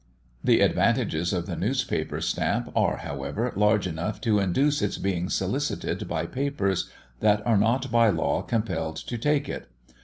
The advantages of the newspaper stamp are, however, large enough to induce its being solicited by papers, that are not by law compelled to take it.